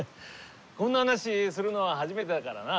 こんな話するのは初めてだからな。